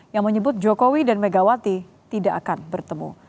yang menyebut jokowi dan megawati tidak akan bertemu